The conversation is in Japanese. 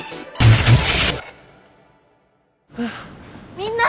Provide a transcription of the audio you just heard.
みんな！